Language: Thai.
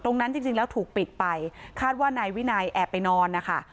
จริงแล้วถูกปิดไปคาดว่านายวินัยแอบไปนอนนะคะ